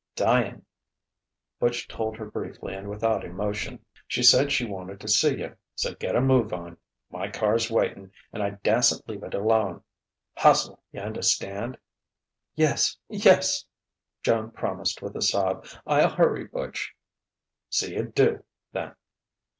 "Dyin'," Butch told her briefly and without emotion. "She said she wanted to see you. So get a move on. My car's waitin', and I dassent leave it alone. Hustle y' understand?" "Yes, yes!" Joan promised with a sob. "I'll hurry, Butch " "See you do, then!"